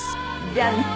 じゃあね。